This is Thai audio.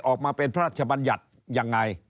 ออกมาเป็นพระราชบัญญัติยังไง